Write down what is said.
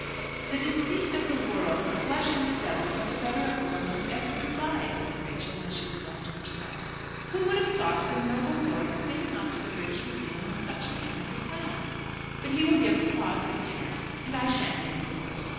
"The deceit of the world, the flesh, and the devil, get the better of one on every side," said Rachel, when she was left to herself. "Who would have thought of the noble lord spinning off to the British Museum on such an errand as that! But he will give papa a good dinner, and I shan't be any the worse.